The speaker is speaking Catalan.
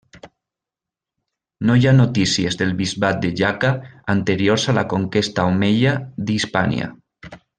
No hi ha notícies del bisbat de Jaca anteriors a la conquesta omeia d'Hispània.